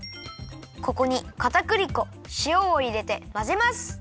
ここにかたくり粉しおをいれてまぜます。